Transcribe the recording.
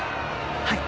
はい。